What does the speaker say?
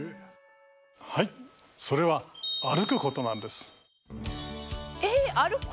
はいそれは歩くことなんです。